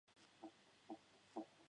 食物的问题怎么办？